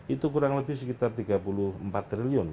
itu kurang lebih sekitar tiga puluh empat triliun